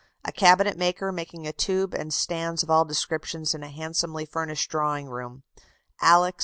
A cabinet maker making a tube and stands of all descriptions in a handsomely furnished drawing room; Alex.